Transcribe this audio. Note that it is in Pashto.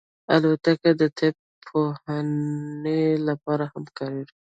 الوتکه د طب پوهنې لپاره هم کارېږي.